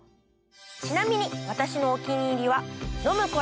ちなみに私のお気に入りは。